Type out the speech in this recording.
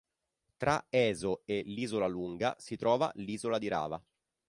Tra Eso e l'Isola Lunga si trova l'isola di Rava.